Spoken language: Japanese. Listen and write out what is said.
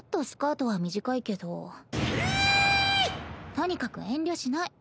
とにかく遠慮しない。